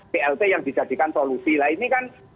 blt yang dijadikan solusi nah ini kan